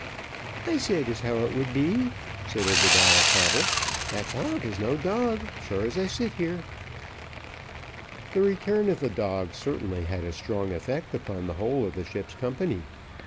"I said as how it would be," said Obadiah Coble "that dog is no dog, as sure as I sit here." The return of the dog certainly had a strong effect upon the whole of the ship's company.